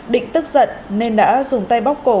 định tức giận nên đã dùng tay bóc cổ